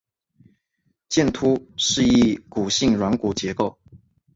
剑突是一骨性软骨结构。